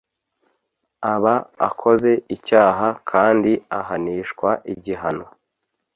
aba akoze icyaha kandi ahanishwa igihano